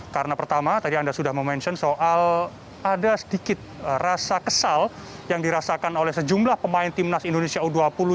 karena pertama tadi anda sudah memention soal ada sedikit rasa kesal yang dirasakan oleh sejumlah pemain timnas indonesia u dua puluh